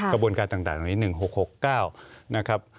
กระบวนการต่างตรงนี้